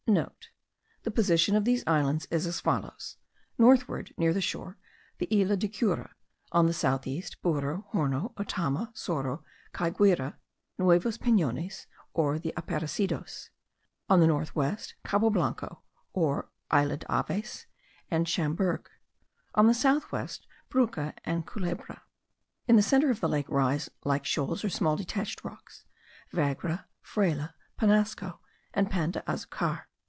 (* The position of these islands is as follows: northward, near the shore, the Isla de Cura; on the south east, Burro, Horno, Otama, Sorro, Caiguira, Nuevos Penones, or the Aparecidos; on the north west, Cabo Blanco, or Isla de Aves, and Chamberg; on the south west, Brucha and Culebra. In the centre of the lake rise, like shoals or small detached rocks, Vagre, Fraile, Penasco, and Pan de Azucar.)